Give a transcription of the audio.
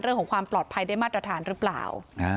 เรื่องของความปลอดภัยได้มาตรฐานหรือเปล่า